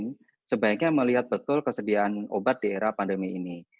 jadi sebaiknya melihat betul kesediaan obat di era pandemi